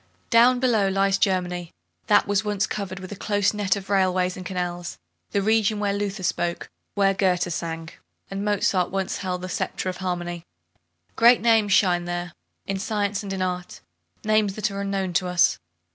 Down below lies Germany, that was once covered with a close net of railway and canals, the region where Luther spoke, where Goethe sang, and Mozart once held the sceptre of harmony. Great names shine there, in science and in art, names that are unknown to us.